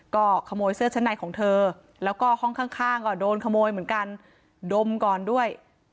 ก็ขโมยเสื้อชั้นในของเธอแล้วก็ห้องข้างก็โดนขโมยเหมือนกันดมก่อนด้วย